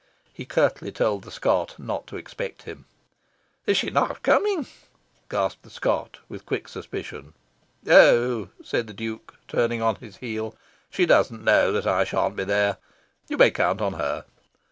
He curtly told the Scot not to expect him. "Is SHE not coming?" gasped the Scot, with quick suspicion. "Oh," said the Duke, turning on his heel, "she doesn't know that I shan't be there. You may count on her."